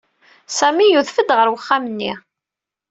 Sami yudef-d ɣer uxxam-nni.